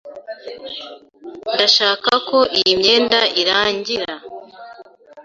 Ndashaka ko iyi myenda irangi.